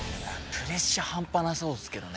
プレッシャー半端なさそうですけどね。